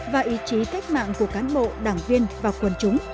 và ý chí cách mạng của cán bộ đảng viên và quần chúng